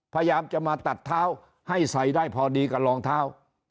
พยายามจะมาตัดเท้าให้ใส่ได้พอดีกับรองเท้า